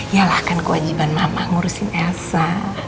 yalah kan kewajiban mama ngurusin asa